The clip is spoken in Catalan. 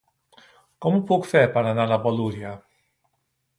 Com ho puc fer per anar a Bolulla?